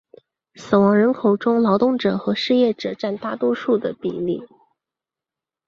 死亡人口中劳动者和失业者占大多数的比例。